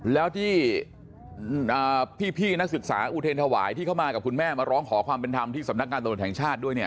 แล้วที่พี่นักศึกษาอุเทรนธวายที่เข้ามากับคุณแม่มาร้องขอความเป็นธรรมที่สำนักงานตำรวจแห่งชาติด้วยเนี่ย